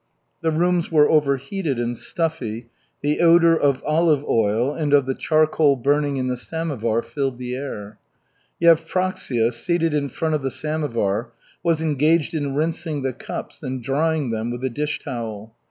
The rooms were overheated and stuffy, the odor of olive oil and of the charcoal burning in the samovar filled the air. Yevpraksia, seated in front of the samovar, was engaged in rinsing the cups and drying them with a dish towel.